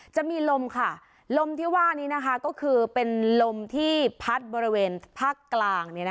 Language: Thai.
จะมีลมค่ะลมที่ว่านี้ก็คือเป็นลมที่พัดบริเวณภาคกลาง